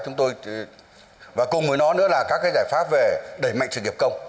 chúng tôi và cùng với nó nữa là các giải pháp về đẩy mạnh sự nghiệp công